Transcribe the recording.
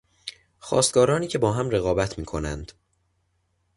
خواستگارانی که با هم رقابت میکنند